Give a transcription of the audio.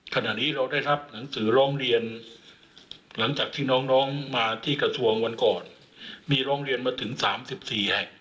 ขณะนี้เราได้รับหนังสือร้องเรียนหลังจากที่น้องมาที่กระทรวงวันก่อนมีร้องเรียนมาถึง๓๔แห่ง